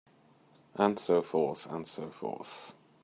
And so forth and so forth.